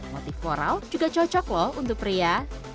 motif moral juga cocok loh untuk pria